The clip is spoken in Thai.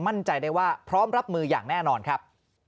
มั่นใจได้ว่าพร้อมรับมืออย่างแน่นอนครับ